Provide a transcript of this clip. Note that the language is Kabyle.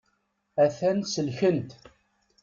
A-t-an selkent.